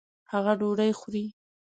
هغه ډوډۍ خوري